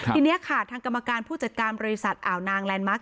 ทีนี้ค่ะทางกรรมการผู้จัดการบริษัทอ่าวนางแลนดมาร์ค